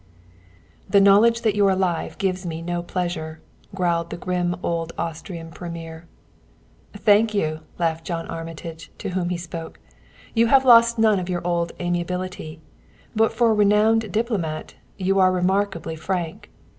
_ "The knowledge that you're alive gives me no pleasure," growled the grim old Austrian premier. "Thank you!" laughed John Armitage, to whom he had spoken. "You have lost none of your old amiability; but for a renowned diplomat, you are remarkably frank.